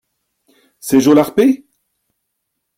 C’est Jolarpet ?